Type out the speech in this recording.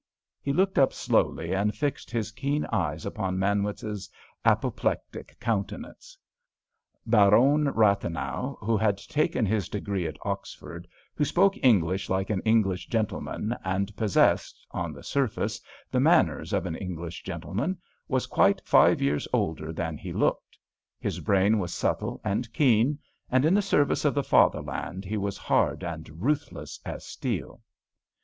_" He looked up slowly, and fixed his keen gaze upon Manwitz's apoplectic countenance. Baron Rathenau, who had taken his degree at Oxford, who spoke English like an English gentleman, and possessed, on the surface, the manners of an English gentleman, was quite five years older than he looked. His brain was subtle and keen, and in the service of the Fatherland he was hard and ruthless as steel.